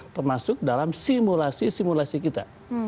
termasuk dalam simulasi simulasi kita